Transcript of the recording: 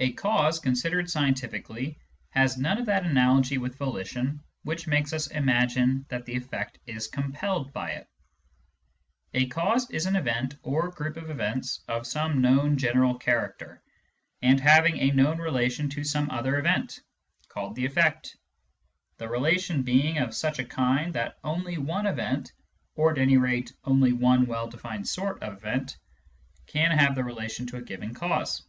A cause, considered scientifically, has none of that IS Digitized by Google 226 SCIENTIFIC METHOD IN PHILOSOPHY analogy with volition which makes us imagine that the efFect is compelled by it. A cause is an event or group of events, of some known general character, and having a known relation to some other event, caUed the efFect ; the relation being of such a kind that only one event, or at any rate only one well defined sort of event, can have the relation to a given cause.